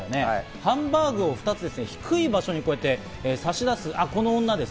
ハンバーグを２つ低い場所に差し出すこの女です。